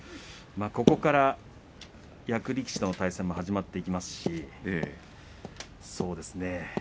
ここから役力士との対戦も始まっていきますしそうですね